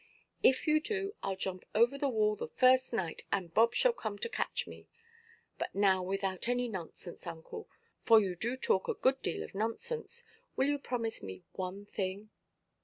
"If you do, Iʼll jump over the wall the first night, and Bob shall come to catch me. But now without any nonsense, uncle, for you do talk a good deal of nonsense, will you promise me one thing?"